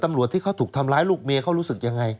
ตำรวจที่เขาถูกทำร้ายลูกเมียเขารู้สึกยังไง